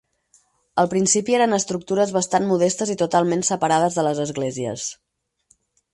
Al principi eren estructures bastant modestes i totalment separades de les esglésies.